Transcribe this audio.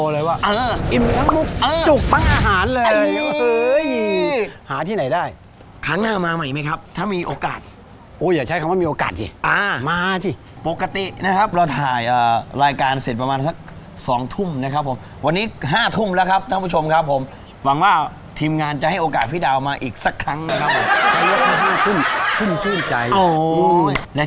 แล้วก็เข้าเครื่องมากครับ